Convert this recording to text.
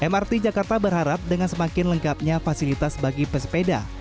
mrt jakarta berharap dengan semakin lengkapnya fasilitas bagi pesepeda